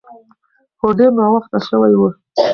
خو ډیر ناوخته شوی و.